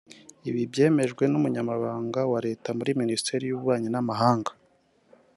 Ibi byemejwe n’Umunyamabanga wa Leta muri Minisiteri y’Ububanyi n’Amahanga